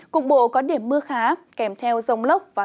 cục bộ có điểm mưa khá